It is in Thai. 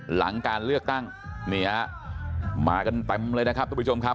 หลังการเลือกตั้งนี่ฮะมากันเต็มเลยนะครับทุกผู้ชมครับ